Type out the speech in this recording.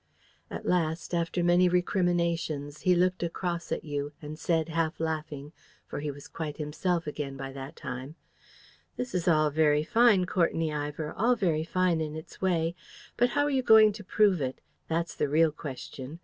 "At last, after many recriminations, he looked across at you, and said, half laughing, for he was quite himself again by that time: "'This is all very fine, Courtenay Ivor all very fine in its way; but how are you going to prove it? that's the real question.